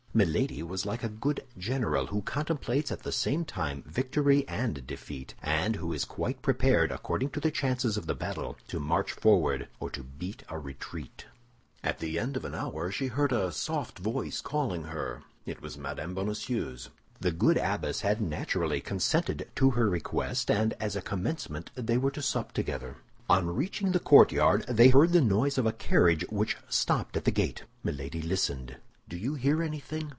Milady was like a good general who contemplates at the same time victory and defeat, and who is quite prepared, according to the chances of the battle, to march forward or to beat a retreat. At the end of an hour she heard a soft voice calling her; it was Mme. Bonacieux's. The good abbess had naturally consented to her request; and as a commencement, they were to sup together. On reaching the courtyard, they heard the noise of a carriage which stopped at the gate. Milady listened. "Do you hear anything?"